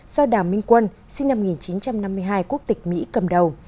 do đào minh quân sinh năm một nghìn chín trăm năm mươi hai quốc tịch mỹ cầm đầu